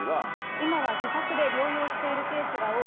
今は自宅で療養しているケースが多い。